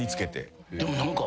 でも何か。